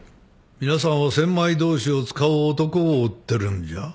皆さんは千枚通しを使う男を追ってるんじゃ？